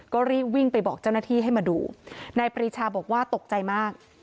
ก็รีบวิ่งไปบอกเจ้าหน้าที่ให้มาดูนายปรีชาบอกว่าตกใจมาก